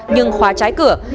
nhưng khóa trái cửa